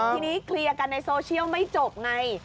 ทีนี้เคลียร์กันในโซเชียลไม่จบไง